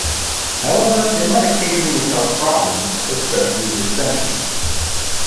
However, it might occasionally cause problems, especially with extensions.